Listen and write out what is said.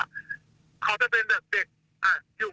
เขาจะเป็นเด็กอ่ะอยู่ไม่ดิ้งก็จริงแต่เขาไม่เกลไม่อะไรแค่อะไรเลย